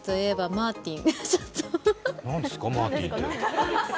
マーティン。